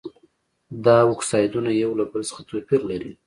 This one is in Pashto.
دا اکسایدونه یو له بل څخه توپیر لري.